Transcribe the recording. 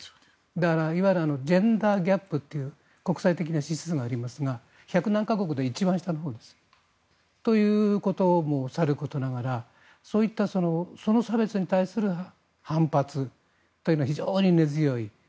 だからジェンダー・ギャップという国際的な指数がありますが１００何か国で一番下のほうですということもさることながらその差別に対する反発というのは非常に根強い。